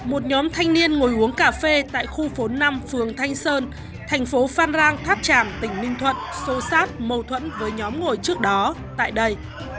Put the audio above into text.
một nhóm thanh niên ngồi uống cà phê tại khu phố năm phường thanh sơn thành phố phan rang tháp tràm tỉnh ninh thuận sô sát mâu thuẫn với nhóm ngồi trước đó tại đây